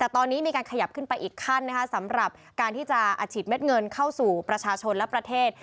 แต่ตอนนี้มีการขยับขึ้นไปอีกขั้นนะคะสำหรับการที่จะอัดฉีดเม็ดเงินเข้าสู่ประชาชนและประเทศ